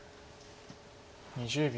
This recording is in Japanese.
２０秒。